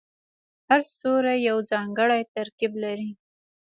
هر ستوری یو ځانګړی ترکیب لري.